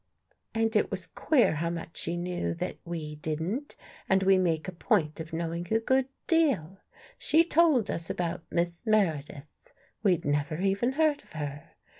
And it was queer how much she knew that we didn't, and we make a point of knowing a good deal. She told us about Miss Meredith. We'd never even heard of her.